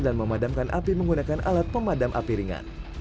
dan memadamkan api menggunakan alat pemadam api ringan